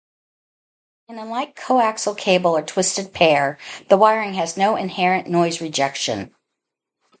And unlike coaxial cable or twisted-pair, the wiring has no inherent noise rejection.